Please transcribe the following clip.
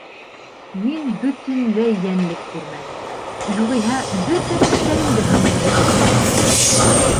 — Мин бөтөнләй йәнлек күрмәнем, юғиһә бөтә тештәремде һындырып бөтөр инем.